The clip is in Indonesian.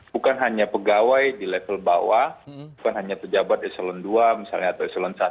bukan hanya pegawai di level bawah bukan hanya pejabat eselon ii misalnya atau eselon satu